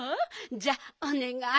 じゃあおねがい。